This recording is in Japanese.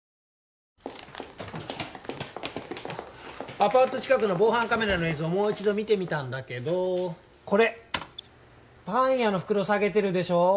アパート近くの防犯カメラの映像もう一度見てみたんだけどこれパン屋の袋提げてるでしょ